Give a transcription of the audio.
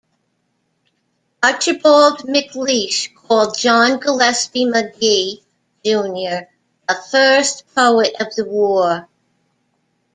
Archibald Macleish called John Gillespie Magee, Junior "the first poet of the war".